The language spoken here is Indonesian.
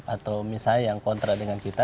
atau misalnya yang kontra dengan kita